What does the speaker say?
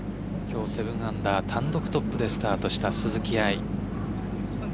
今日７アンダー単独トップでスタートした鈴木愛